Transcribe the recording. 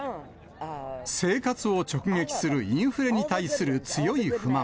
生活を直撃するインフレに対する強い不満。